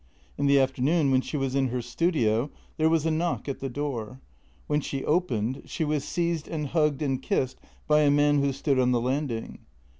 In the afternoon, when she was in her studio, there was a knock at the door. When she opened she was seized and hugged and kissed by a man who stood on the landing.